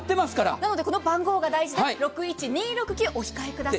なので、この番号が大事です６１２６９、お控えください。